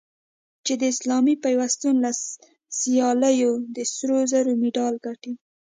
چې د اسلامي پیوستون له سیالیو د سرو زرو مډال ګټي